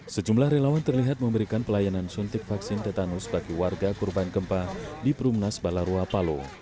sejumlah relawan terlihat memberikan pelayanan suntik vaksin tetanus bagi warga korban gempa di perumnas balarua palo